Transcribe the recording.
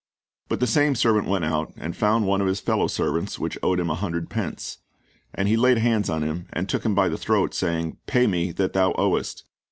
"But the same servant went out, and found one of his fellow servants, which owed him an hundred pence; and he laid hands on him, and took him by the throat, saying. Pay me that thou owest.